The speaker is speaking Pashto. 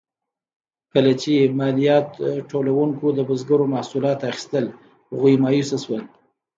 کله چې مالیات ټولونکو د بزګرو محصولات اخیستل، هغوی مایوسه شول.